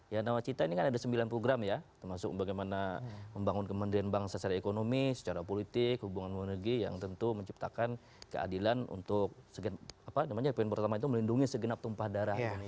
ya nawacita ini kan ada sembilan puluh gram ya termasuk bagaimana membangun kemendirian bangsa secara ekonomi secara politik hubungan monergi yang tentu menciptakan keadilan untuk segmen apa namanya pan pertama itu melindungi segenap tumpahan